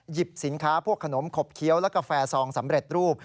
สินค้าพวกขนมขบเคี้ยวและกาแฟซองสำเร็จรูป